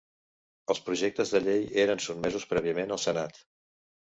Els projectes de llei eren sotmesos prèviament al Senat.